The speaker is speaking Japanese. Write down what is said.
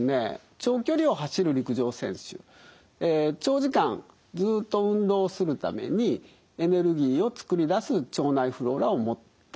長距離を走る陸上選手長時間ずっと運動するためにエネルギーを作り出す腸内フローラを持って。